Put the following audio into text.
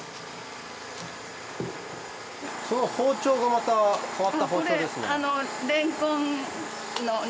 その包丁がまた変わった包丁ですね。